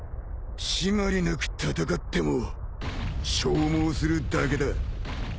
締まりなく戦っても消耗するだけだ。